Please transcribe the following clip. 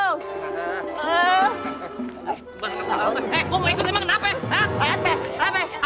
eh gue mau ikut emang kenapa ya